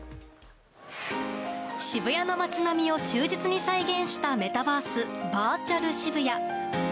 渋谷の街並みを忠実に再現したメタバースバーチャル渋谷。